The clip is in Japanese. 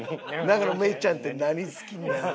「永野芽郁ちゃんって何好きなん？」